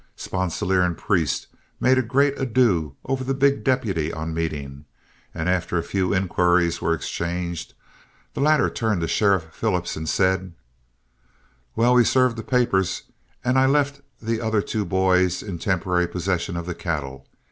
Sponsilier and Priest made a great ado over the big deputy on meeting, and after a few inquiries were exchanged, the latter turned to Sheriff Phillips and said: "Well, we served the papers and I left the other two boys in temporary possession of the cattle.